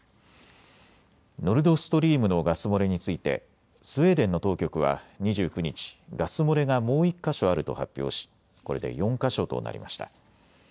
ノルドストリームのガス漏れについてスウェーデンの当局は２９日、ガス漏れがもう１か所あると発表しこれで４か所となりました。